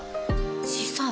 小さい。